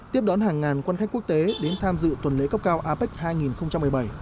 tiếp đón hàng ngàn quan khách quốc tế đến tham dự tuần lễ cấp cao apec hai nghìn một mươi bảy